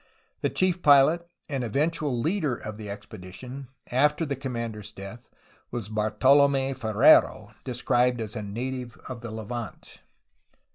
The chief pilot and eventual leader of the expedition, after the commander's death, was Bartolom^ Ferrelo, described as a native of the Levant.